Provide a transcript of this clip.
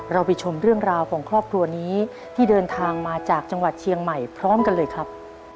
เราไปชมเรื่องราวของครอบครัวนี้ที่เดินทางมาจากจังหวัดเชียงใหม่พร้อมกันเลยครับ